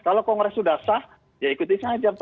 kalau kongres sudah sah ya ikuti saja perjalanan ini